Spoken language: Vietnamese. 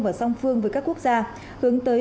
và song phương với các quốc gia hướng tới